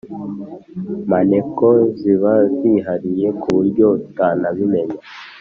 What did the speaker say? Maneko ziba zihari kuburyo utanabimenya